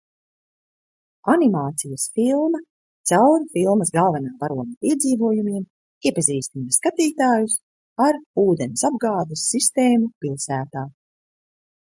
Animācijas filma caur filmas galvenā varoņa piedzīvojumiem iepazīstina skatītājus ar ūdensapgādes sistēmu pilsētā.